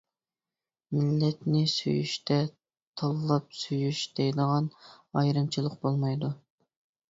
مىللەتنى سۆيۈشتە تاللاپ سۆيۈش دەيدىغان ئايرىمچىلىق بولمايدۇ.